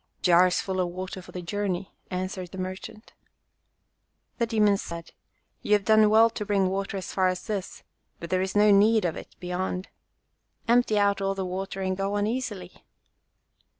"Jars full of watei for the journey," answered the merchant. The demon said, "You have done well to bring water as far as this, but there is no need of it beyond. Empty out all that water and go on easily."